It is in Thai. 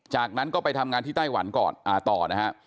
จากนั้นก็ไปทำงานที่ไต้หวันก่อนต่อนะฮะ